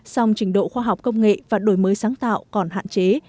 song trình độ khoa học công nghệ và đổi mới sáng tạo còn hạn chế